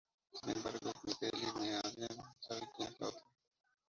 Sin embargo ni Kelly, ni Adalind, sabe quien es la otra.